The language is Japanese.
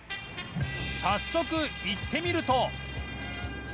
早速行ってみると